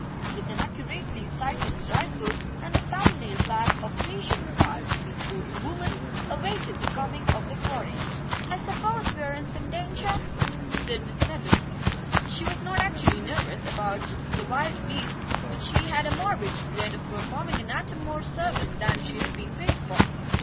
With an accurately sighted rifle and a thumbnail pack of patience cards the sportswoman awaited the coming of the quarry. "I suppose we are in some danger?" said Miss Mebbin. She was not actually nervous about the wild beast, but she had a morbid dread of performing an atom more service than she had been paid for.